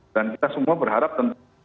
dan kita semua berharap tentu